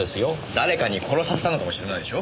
誰かに殺させたのかもしれないでしょ？